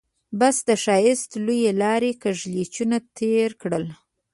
بس د ښایسته لويې لارې کږلېچونه تېر کړل.